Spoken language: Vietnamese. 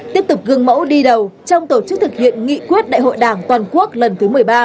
tiếp tục gương mẫu đi đầu trong tổ chức thực hiện nghị quyết đại hội đảng toàn quốc lần thứ một mươi ba